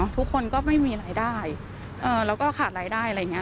ทุกคนก็ไม่มีรายได้แล้วก็ขาดรายได้อะไรอย่างนี้